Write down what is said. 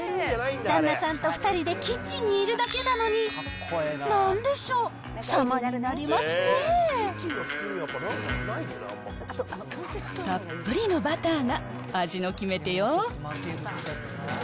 旦那さんと２人でキッチンにいるだけなのに、なんでしょう、たっぷりのバターが味の決め手よ。